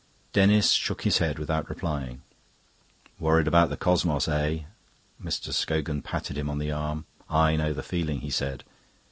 Denis shook his head without replying. "Worried about the cosmos, eh?" Mr. Scogan patted him on the arm. "I know the feeling," he said.